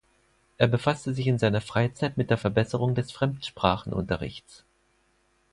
Er befasste sich in seiner Freizeit mit der Verbesserung des Fremdsprachenunterrichts.